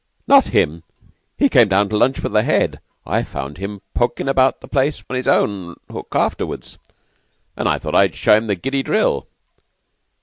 "Not him. He came down to lunch with the Head. I found him pokin' about the place on his own hook afterwards, an' I thought I'd show him the giddy drill.